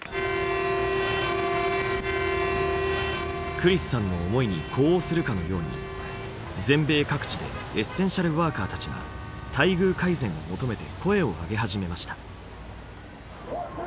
クリスさんの思いに呼応するかのように全米各地でエッセンシャルワーカーたちが待遇改善を求めて声を上げ始めました。